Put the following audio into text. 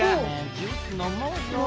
ジュースのもうよ。